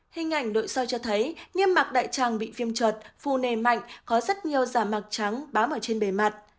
hình ảnh nội soi cho thấy niêm mạc đại tràng bị phim trợt phù nề mạnh có rất nhiều giả mạc trắng bám ở trên bề mặt